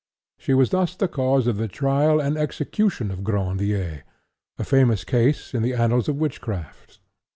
She was thus the cause of the trial and execution of Grandier, a famous case in the annals of witchcraft.